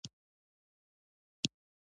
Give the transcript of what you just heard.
منی د افغانستان طبعي ثروت دی.